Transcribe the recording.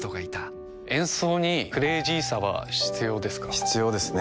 必要ですね